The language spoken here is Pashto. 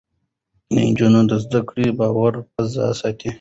د نجونو زده کړه د باور فضا ساتي.